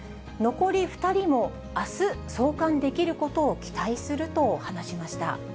残り２人もあす送還できることを期待すると話しました。